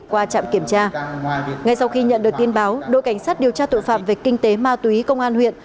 qua trạm kiểm tra ngay sau khi nhận được tin báo đội cảnh sát điều tra tội phạm về kinh tế ma túy công an huyện